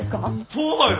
そうだよ。